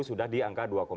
sudah di angka dua dua